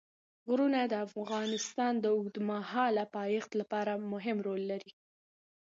غرونه د افغانستان د اوږدمهاله پایښت لپاره مهم رول لري.